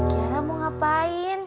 kiara mau ngapain